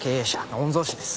御曹司です。